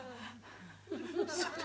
そうだ。